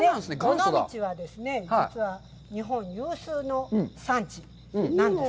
尾道はですね、実は日本有数の産地なんです。